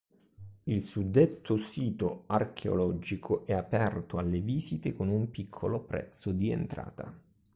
Il suddetto sito archeologico è aperto alle visite con un piccolo prezzo di entrata.